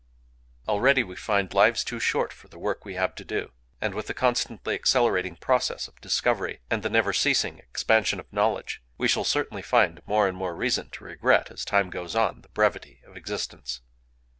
Already we find lives too short for the work we have to do; and with the constantly accelerating progress of discovery, and the never ceasing expansion of knowledge, we shall certainly find more and more reason to regret, as time goes on, the brevity of existence.